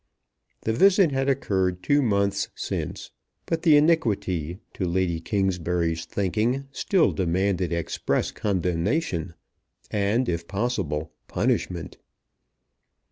The visit had occurred two months since, but the iniquity to Lady Kingsbury's thinking still demanded express condemnation and, if possible, punishment.